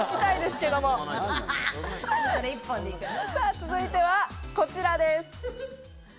続いてはこちらです。